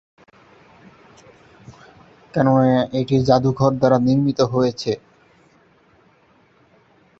কেননা এটি জাদুর দ্বারা নির্মিত হয়েছে।